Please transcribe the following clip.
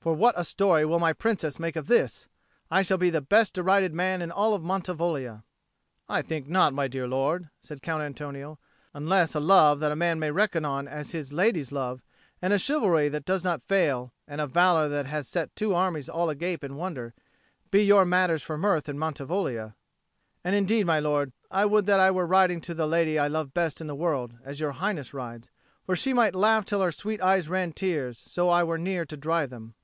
For what a story will my Princess make of this! I shall be the best derided man in all Mantivoglia." "I think not, my dear lord," said Count Antonio, "unless a love that a man may reckon on as his lady love's and a chivalry that does not fail, and a valour that has set two armies all agape in wonder, be your matters for mirth in Mantivoglia. And indeed, my lord, I would that I were riding to the lady I love best in the world, as Your Highness rides; for she might laugh till her sweet eyes ran tears so I were near to dry them."